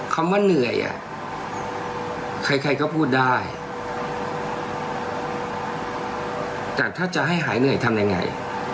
คำว่าเหนื่อยอ่ะใครใครก็พูดได้แต่ถ้าจะให้หายเหนื่อยทำยังไง